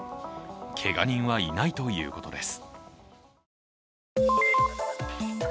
けが人はいないということです。